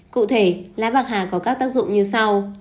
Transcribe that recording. cụ thể lá bạc hà có các tác dụng như sau